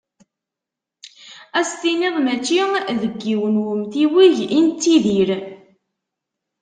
Ad s-tiniḍ mačči deg yiwen wemtiweg i nettidir.